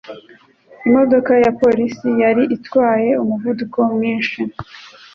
Imodoka ya polisi yari itwaye umuvuduko mwinshi.